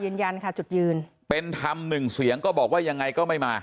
ยืนยันค่ะจุดยืนเป็นธรรมหนึ่งเสียงก็บอกว่ายังไงก็ไม่มา